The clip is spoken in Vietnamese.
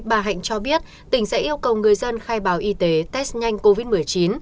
bà hạnh cho biết tỉnh sẽ yêu cầu người dân khai báo y tế test nhanh covid một mươi chín